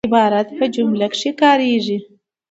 عبارت په جمله کښي کاریږي.